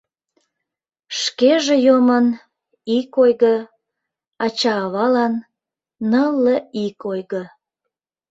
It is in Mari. Шкеже йомын — ик ойго, ача-авалан — нылле ик ойго.